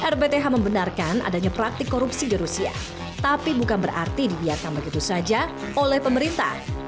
rbth membenarkan adanya praktik korupsi di rusia tapi bukan berarti dibiarkan begitu saja oleh pemerintah